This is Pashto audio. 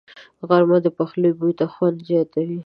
غرمه د پخلي بوی ته خوند زیاتوي